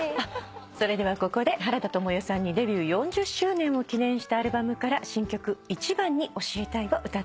それではここで原田知世さんにデビュー４０周年を記念したアルバムから新曲『一番に教えたい』を歌っていただきます。